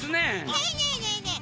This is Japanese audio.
ねえねえねえねえ